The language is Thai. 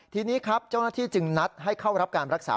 ทีนี้ครับเจ้าหน้าที่จึงนัดให้เข้ารับการรักษา